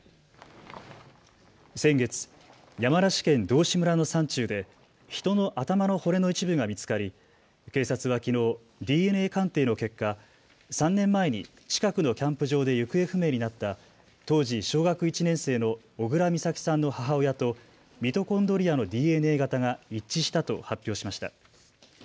先月、山梨県道志村の山中で人の頭の骨の一部が見つかり警察はきのうＤＮＡ鑑定の結果、３年前に近くのキャンプ場で行方不明になった当時小学１年生の小倉美咲さんの母親とミトコンドリアのＤＮＡ型が一致したと発表しました。